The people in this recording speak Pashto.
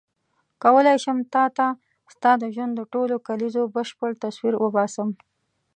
کولای شم تا ته ستا د ژوند د ټولو کلیزو بشپړ تصویر وباسم.